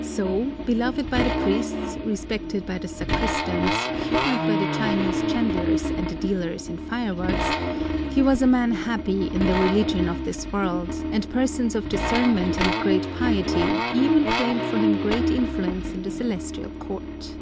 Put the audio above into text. So, beloved by the priests, respected by the sacristans, humored by the Chinese chandlers and the dealers in fireworks, he was a man happy in the religion of this world, and persons of discernment and great piety even claimed for him great influence in the celestial court.